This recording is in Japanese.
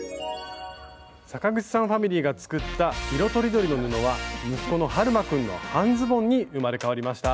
阪口さんファミリーが作った色とりどりの布は息子のはるまくんの「半ズボン」に生まれ変わりました。